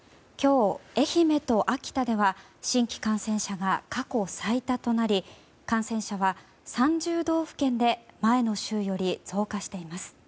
今日、愛媛と秋田では新規感染者が過去最多となり感染者は３０道府県で前の週より増加しています。